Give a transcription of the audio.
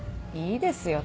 いいですよ